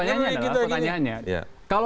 nah pertanyaannya adalah